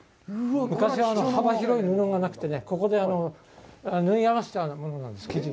昔は幅広い布がなくてここで縫い合わせたものなんです。